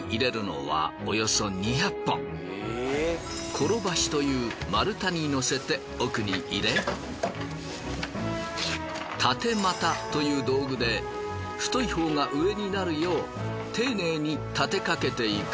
ころばしという丸太にのせて奥に入れ立て又という道具で太いほうが上になるよう丁寧に立てかけていく。